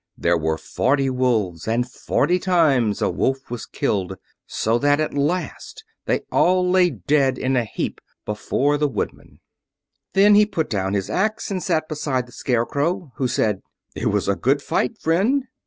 There were forty wolves, and forty times a wolf was killed, so that at last they all lay dead in a heap before the Woodman. Then he put down his axe and sat beside the Scarecrow, who said, "It was a good fight, friend."